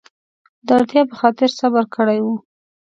د اړتیا په خاطر صبر کړی و.